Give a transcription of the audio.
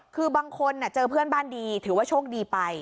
คือบางคนเจอเพื่อนบ้านดีถือว่าโชคดีไป